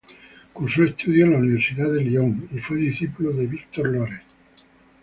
Cursó estudios en la Universidad de Lyon y fue discípulo de Victor Loret.